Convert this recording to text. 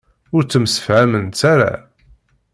Ur ttemsefhament ara.